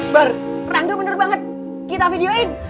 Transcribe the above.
beranggur bener banget kita videoin